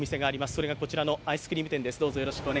それがこちらのアイスクリーム店です。